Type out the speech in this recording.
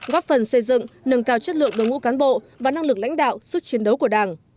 góp phần xây dựng nâng cao chất lượng đối ngũ cán bộ và năng lực lãnh đạo sức chiến đấu của đảng